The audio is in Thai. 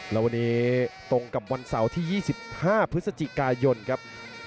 แล้ววันนี้ตรงกับวันเสาร์ที่๒๕พฤศจิกายนครับ